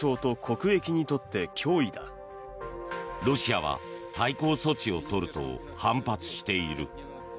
ロシアは対抗措置を取ると反発している。